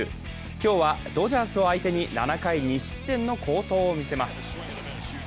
今日はドジャースを相手に７回２失点の好投を見せます。